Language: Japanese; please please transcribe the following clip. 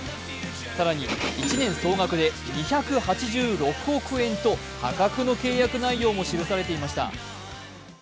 更に、１年総額で２８６億円と破格の契約内容も記されていました。